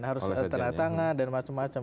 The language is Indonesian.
harus tenaga tangga dan macam macam